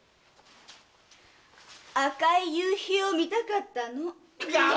赤い夕日を見たかったの。